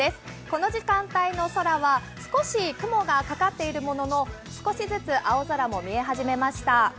この時間帯の空は少し雲がかかっているものの少しずつ青空も見え始めました。